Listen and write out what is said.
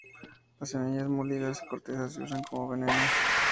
Las semillas molidas y la corteza se usan como veneno.